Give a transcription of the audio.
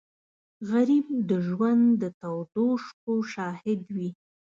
غریب د ژوند د تودو شپو شاهد وي